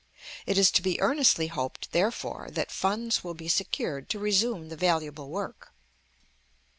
It is to be earnestly hoped, therefore, that funds will be secured to resume the valuable work.